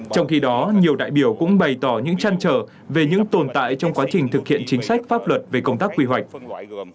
trong khi đó nhiều đại biểu cũng bày tỏ những trăn trở về những tồn tại trong quá trình thực hiện chính sách pháp luật về công tác quy hoạch